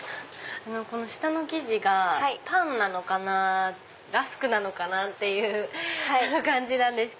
この下の生地がパンなのかなラスクなのかなっていう感じなんですけど。